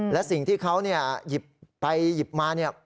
และสิ่งที่เขาหยิบไปหยิบมาเนี่ย